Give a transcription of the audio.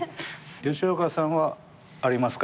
吉岡さんはありますか？